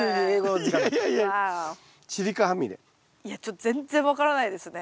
いやちょっと全然分からないですね。